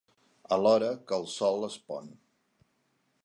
A l'hora que el sol es pon.